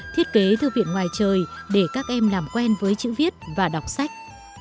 thiết kế thư viện ngoài trời để các em làm quen với chữ viết và đọc sách